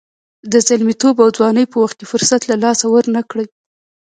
د زلمیتوب او ځوانۍ په وخت کې فرصت له لاسه ورنه کړئ.